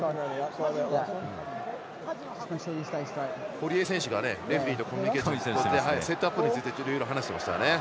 堀江選手がレフリーとコミュニケーションセットアップについて話をしていましたね。